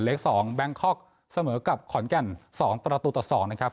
เลขสองแบงค็อกเสมอกับขนแก่นสองประตูต่อสองนะครับ